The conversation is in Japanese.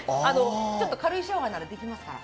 ちょっと軽いシャワーならできますから。